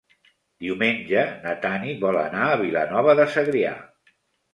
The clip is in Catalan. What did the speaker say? Diumenge na Tanit vol anar a Vilanova de Segrià.